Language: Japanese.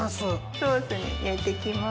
ソースに入れて行きます。